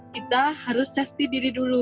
kita harus safety diri dulu